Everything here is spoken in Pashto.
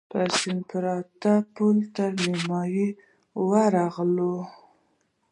پر سیند پروت پل تر نیمايي ورغلو.